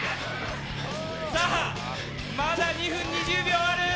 さあ、まだ２分２０秒ある！